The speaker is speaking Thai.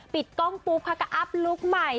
ปิดกล้องปุ๊บค่ะก็อัพลุคใหม่